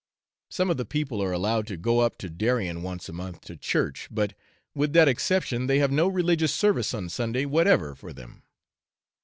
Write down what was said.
Some of the people are allowed to go up to Darien once a month to church; but, with that exception, they have no religious service on Sunday whatever for them.